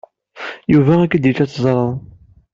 Yuba ad k-yeǧǧ ad teẓreḍ.